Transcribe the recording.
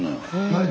はい。